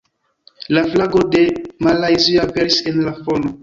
La flago de Malajzio aperis en la fono.